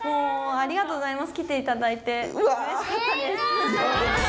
ありがとうございます。